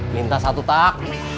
minta satu tak